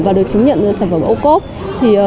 và được chứng nhận sản phẩm ô cốt